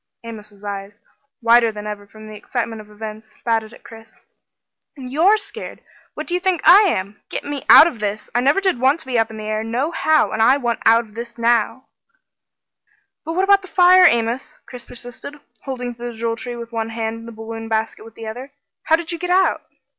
Amos's eyes, wider than ever from the excitement of events, batted at Chris. "You're scared! What do you think I am? Get me out of this I never did want to be up in the air nohow, and I want out now!" "But what about the fire, Amos?" Chris persisted, holding to the Jewel Tree with one hand and the balloon basket with the other. "How did you get out?"